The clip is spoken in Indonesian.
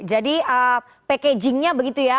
jadi packagingnya begitu ya